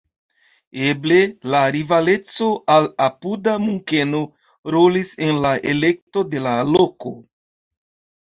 Eble la rivaleco al apuda Munkeno rolis en la elekto de la loko.